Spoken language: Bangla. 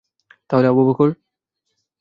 তাহলে আবু বকর!